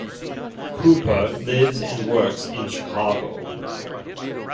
Cooper lives and works in Chicago.